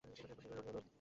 সে খুব বেশি খুশি ছিল না।